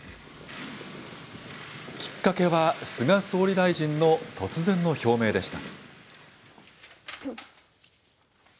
きっかけは、菅総理大臣の突然の表明でした。